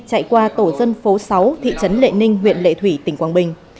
chạy qua tổ dân phố sáu thị trấn lệ ninh huyện lệ thủy tỉnh quảng bình